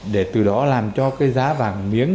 để từ đó làm cho cái giá vàng miếng